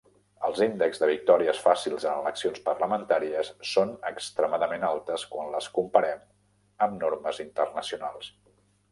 Els índexs de victòries fàcils en eleccions parlamentàries són extremadament altes quan les comparem amb normes internacionals.